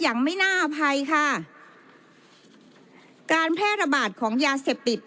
อย่างไม่น่าอภัยค่ะการแพร่ระบาดของยาเสพติด